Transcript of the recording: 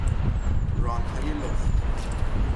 رانهای لخت